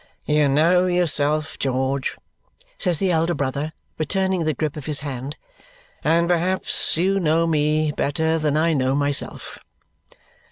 "You know yourself, George," says the elder brother, returning the grip of his hand, "and perhaps you know me better than I know myself.